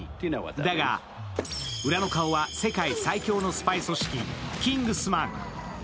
だが裏の顔は世界最強のスパイ組織、キングスマン。